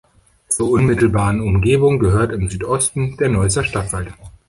Zur unmittelbaren Umgebung gehört im Südosten der Neusser Stadtwald.